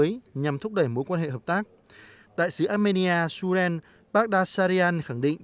cơ chế hợp tác mới nhằm thúc đẩy mối quan hệ hợp tác đại sứ armenia surin baghdad sarian khẳng định